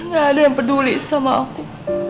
gak ada yang peduli sama aku